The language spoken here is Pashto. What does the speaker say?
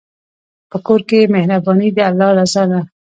په کور کې مهرباني د الله رضا ده.